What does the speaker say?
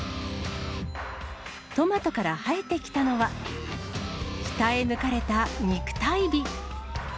トマトから生えてきたのは、鍛え抜かれた肉体美。